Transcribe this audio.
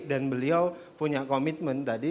dan beliau punya komitmen tadi